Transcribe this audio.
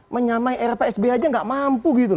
menyamai rpsb aja nggak mampu gitu loh